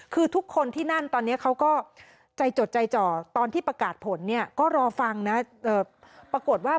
คือทุกคนที่นั่นตอนนี้เขาก็ใจจดใจเจาะ